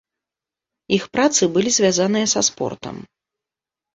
Іх працы былі звязаныя са спортам.